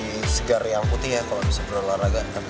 saya sih lebih segar yang putih ya kalau bisa berlelar agak enak